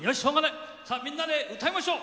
みんなで歌いましょう。